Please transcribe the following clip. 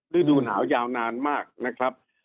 ฤดูหนาวยาวนานมากนะครับ